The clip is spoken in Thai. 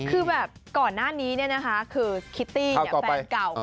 คือแบบก่อนหน้านี้เนี่ยนะคะคือคิตตี้แฟนเก่า